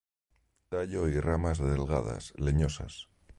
Tallo y ramas delgadas, leñosas.